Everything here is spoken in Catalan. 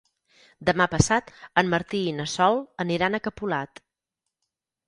Demà passat en Martí i na Sol aniran a Capolat.